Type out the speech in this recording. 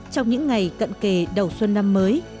trong những ngày cận kề đầu xuân năm mới